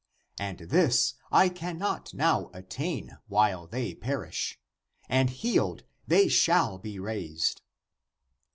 And this I cannot now (at tain), when they perish, and healed, they shall be raised.